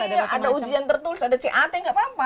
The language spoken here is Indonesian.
ada tes iya ada ujian tertulis ada cat nggak apa apa